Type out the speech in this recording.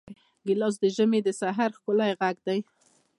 ګیلاس د ژمي د سحر ښکلی غږ دی.